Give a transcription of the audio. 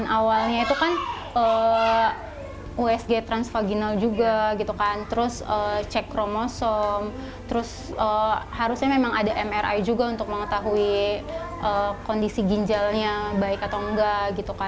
awalnya itu kan usg transvaginal juga cek kromosom harusnya memang ada mri juga untuk mengetahui kondisi ginjalnya baik atau enggak